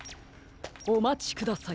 おまちください。